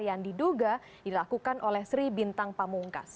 yang diduga dilakukan oleh sri bintang pamungkas